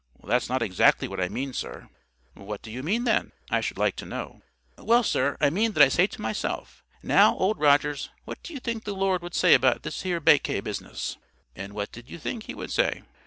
"That's not exactly what I mean, sir." "What do you mean then? I should like to know." "Well, sir, I mean that I said to myself, 'Now, Old Rogers, what do you think the Lord would say about this here baccay business?'" "And what did you think He would say?"